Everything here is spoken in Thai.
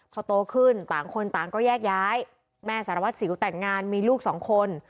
พอโตขึ้นต่างคนต่างก็แยกย้ายแม่สารวัตรสิวแต่งงานมีลูกสองคน